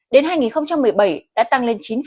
đến hai nghìn một mươi bảy đã tăng lên chín